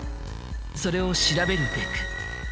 それを調べるべく。